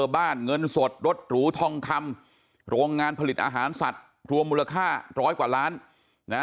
บ้านเงินสดรถหรูทองคำโรงงานผลิตอาหารสัตว์รวมมูลค่าร้อยกว่าล้านนะ